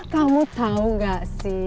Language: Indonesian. kamu tau gak sih